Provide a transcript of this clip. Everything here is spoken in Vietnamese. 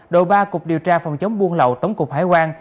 đội ba cục điều tra phòng chống buôn lậu tổng cục hải quan